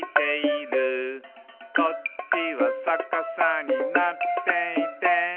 「こっちはさかさになっていて」